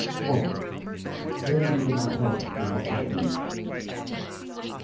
Moral: Those you do not help will not help you.